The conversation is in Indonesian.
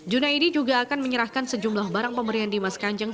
junaidi juga akan menyerahkan sejumlah barang pemberian dimas kanjeng